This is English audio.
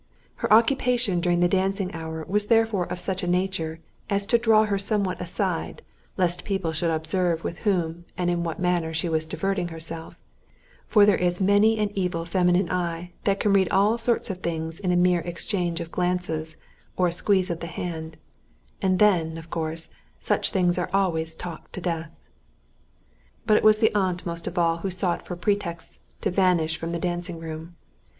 Her occupation during the dancing hour was therefore of such a nature as to draw her somewhat aside lest people should observe with whom and in what manner she was diverting herself, for there is many an evil feminine eye that can read all sorts of things in a mere exchange of glances or a squeeze of the hand, and then, of course, such things are always talked to death. But it was the aunt most of all who sought for pretexts to vanish from the dancing room.